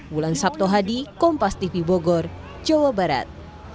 bulan sabtu hadi kompas tv bogor jawa barat